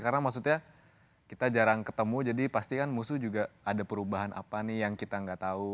karena maksudnya kita jarang ketemu jadi pasti kan musuh juga ada perubahan apa nih yang kita gak tau